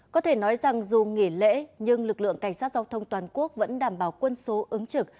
có thể nói rằng dù nghỉ lễ nhưng lực lượng cảnh sát giao thông toàn quốc vẫn đảm bảo quân số ứng trực